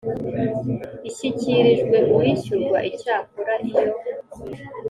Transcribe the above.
ishyikirijwe uwishyurwa Icyakora iyo